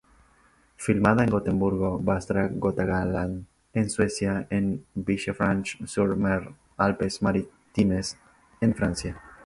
Filmada en Gotemburgo, Västra Götaland, en Suecia y en Villefranche-sur-Mer, Alpes-Maritimes, en Francia.